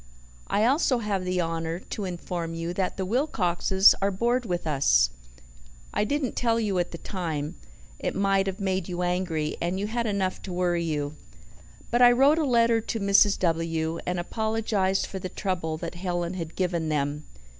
"I also have the honour to inform you that the Wilcoxes are bored with us. I didn't tell you at the time it might have made you angry, and you had enough to worry you but I wrote a letter to Mrs. W., and apologized for the trouble that Helen had given them.